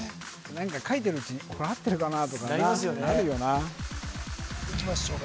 何か書いてるうちにこれ合ってるかな？とかなるよないきましょうか